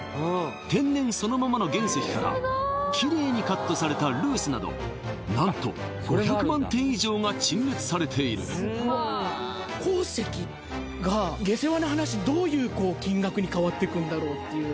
天然そのままの原石からきれいにカットされたルースなど何と５００万点以上が陳列されている鉱石が下世話な話どういう金額に変わっていくんだろうっていう